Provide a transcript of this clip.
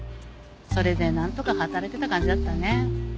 それでなんとか働いてた感じだったね。